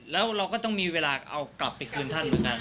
แล้วเราก็ต้องมีเวลาเอากลับไปคืนท่านเหมือนกัน